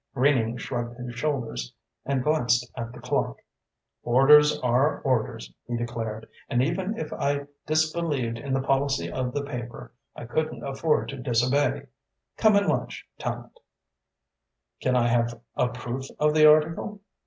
Greening shrugged his shoulders and glanced at the clock. "Orders are orders," he declared, "and even if I disbelieved in the policy of the paper, I couldn't afford to disobey. Come and lunch, Tallente." "Can I have a proof of the article?"